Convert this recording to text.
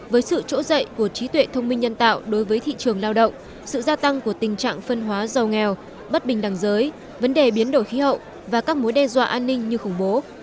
với sự trỗi dậy của trí tuệ thông minh nhân tạo đối với thị trường lao động sự gia tăng của tình trạng phân hóa giàu nghèo bất bình đẳng giới vấn đề biến đổi khí hậu và các mối đe dọa an ninh như khủng bố